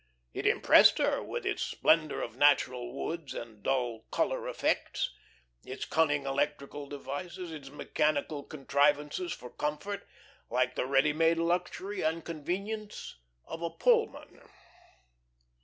It impressed her with its splendour of natural woods and dull "colour effects," its cunning electrical devices, its mechanical contrivances for comfort, like the ready made luxury and "convenience" of a Pullman.